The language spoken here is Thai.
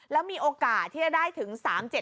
แล้วมีโอกาสที่จะได้ถึง๓๗